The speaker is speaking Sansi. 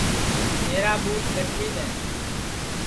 میرا ٻُوٹ گٹھی دؔے